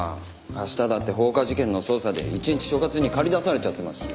明日だって放火事件の捜査で一日所轄に駆り出されちゃってますし。